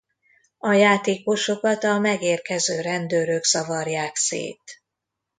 A játékosokat a megérkező rendőrök zavarják szét.